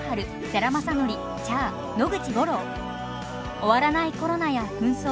終わらないコロナや紛争。